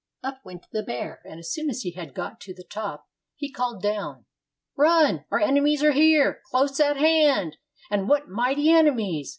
Up went the bear, and as soon as he had got to the top, he called down, "Run, our enemies are here, close at hand, and what mighty enemies